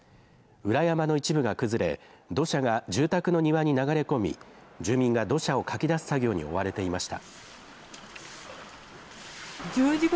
裏山の一部が崩れ土砂が住宅の庭に流れ込み住民が土砂をかき出す作業に追われていました。